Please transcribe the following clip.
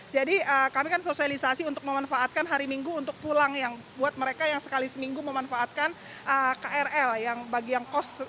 jadi kami kan sosialisasi untuk memanfaatkan hari minggu untuk pulang yang buat mereka yang sekali seminggu memanfaatkan krl yang bagian kos demikian ya